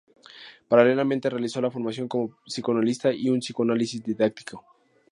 Paralelamente realizó la formación como psicoanalista y su psicoanálisis didáctico.